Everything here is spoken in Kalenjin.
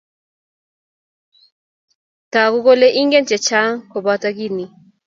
Togu kole ingen che chang' kobotu kiit ni